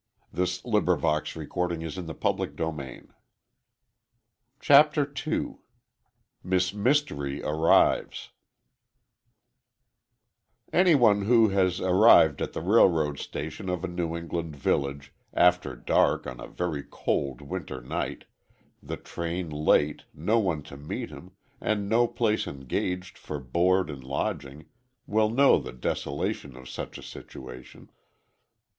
Trouble and I are strangers,—so long as I have you!" CHAPTER II MISS MYSTERY ARRIVES Anyone who has arrived at the railroad station of a New England village, after dark on a very cold winter night, the train late, no one to meet him, and no place engaged for board and lodging, will know the desolation of such a situation.